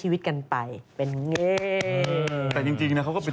โอลี่คัมรี่ยากที่ใครจะตามทันโอลี่คัมรี่ยากที่ใครจะตามทัน